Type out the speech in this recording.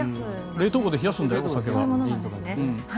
冷凍庫で冷やすんだよ、お酒は。